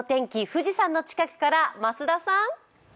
富士山の近くから増田さん。